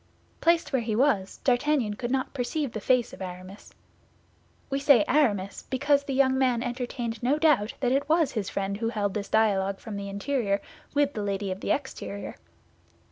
Placed where he was, D'Artagnan could not perceive the face of Aramis. We say Aramis, because the young man entertained no doubt that it was his friend who held this dialogue from the interior with the lady of the exterior.